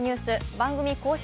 番組公式